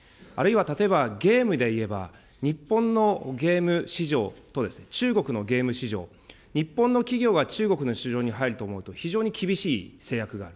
あるいは例えばゲームで言えば、日本のゲーム市場と中国のゲーム市場、日本の企業が中国の市場に入ろうと思うと非常に厳しい制約がある。